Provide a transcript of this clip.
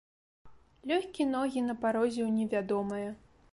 Лёгкі ногі на парозе ў невядомае.